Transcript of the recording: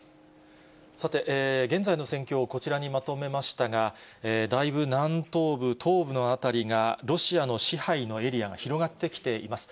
さて、現在の戦況をこちらにまとめましたが、だいぶ南東部、東部の辺りがロシアの支配のエリアが広がってきています。